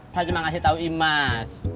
saya cuma kasih tauin mas